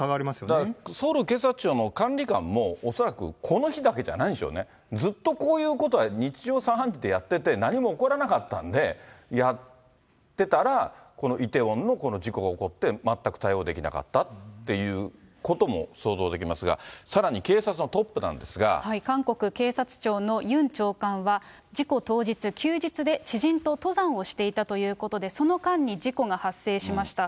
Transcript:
だから、ソウル警察庁の管理官も恐らくこの日だけじゃないんでしょうね、ずっとこういうこと、日常茶飯事でやっていて何も起こらなかったんで、やってたら、このイテウォンのこの事故が起こって、全く対応できなかったっていうことも想像できますが、さらに警察韓国警察庁のユン長官は事故当日、休日で知人と登山をしていたということで、その間に事故が発生しました。